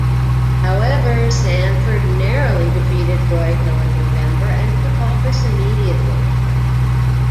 However, Sanford narrowly defeated Broyhill in November and took office immediately.